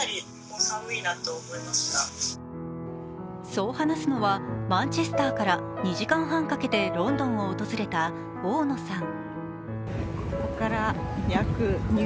そう話すのは、マンチェスターから２時間半かけてロンドンを訪れた大野さん。